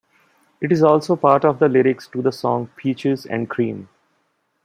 It is also part of the lyrics to the song Peaches and Cream.